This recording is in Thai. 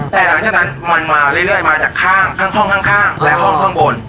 แต่หลังจากนั้นมันมาเรื่อยมาจากข้างห้องข้างและห้องข้างบน